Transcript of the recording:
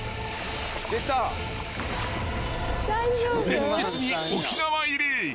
［前日に沖縄入り］